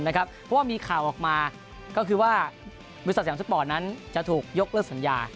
เพราะว่ามีข่าวออกมาก็คือว่าบริษัทสยามสปอร์ตนั้นจะถูกยกเลิกสัญญา